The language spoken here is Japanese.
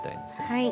はい。